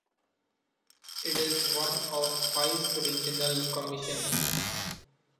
It is one of five regional commissions.